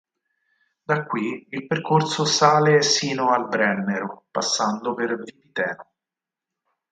Da qui il percorso sale sino al Brennero, passando per Vipiteno.